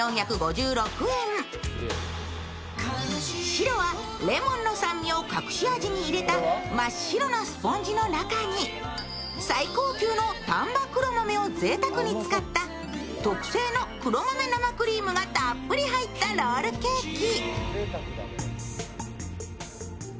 しろはレモンの酸味を隠し味に入れた真っ白なスポンジの中に最高級の丹波黒豆をぜいたくに使った特製の黒豆生クリームがたっぷり入ったロールケーキ。